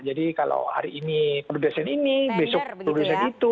jadi kalau hari ini produsen ini besok produsen itu